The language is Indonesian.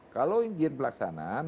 kalau izin pelaksanaan